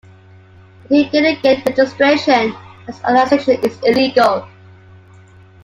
But he didn't get a registration and his organization is illegal.